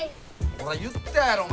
ほら言ったやろお前。